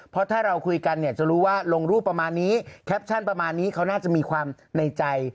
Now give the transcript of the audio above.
เพราะถ้าเราคุยกันเนี่ยจะรู้ว่าลงรูปประมาณนี้แคปชั่นประมาณนี้เขาน่าจะมีความในใจ